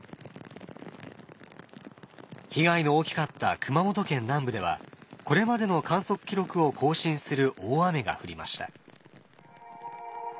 被害の大きかった熊本県南部ではこれまでの観測記録を更新する大雨が降りました。